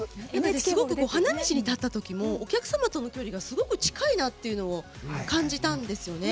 すごく花道に立った時もお客様からの距離がすごく近いなって感じたんですよね。